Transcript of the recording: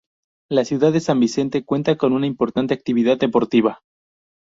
La ciudad de San Vicente cuenta con una importante actividad deportiva.